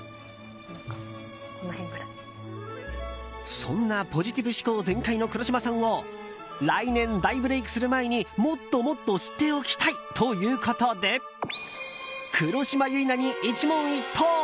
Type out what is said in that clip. そんなポジティブ思考全開の黒島さんを来年、大ブレークする前にもっともっと知っておきたいということで黒島結菜に一問一答。